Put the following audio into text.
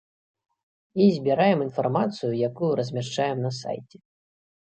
І збіраем інфармацыю, якую размяшчаем на сайце.